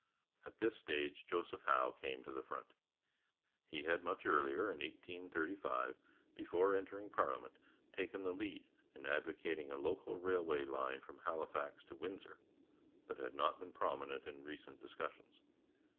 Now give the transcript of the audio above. At this stage Joseph Howe came to the front. He had much earlier, in 1835, before entering parliament, taken the lead in advocating a local railway from Halifax to Windsor, but had not been prominent in recent discussions.